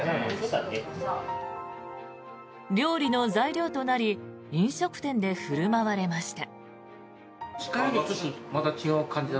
料理の材料となり飲食店で振る舞われました。